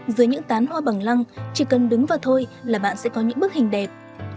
dưới những tán hoa bằng lăng chỉ cần đứng vào thôi là bạn sẽ có những bức hình đẹp